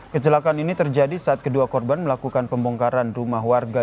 kecelakaan ini terjadi saat kedua korban melakukan pembongkaran rumah warga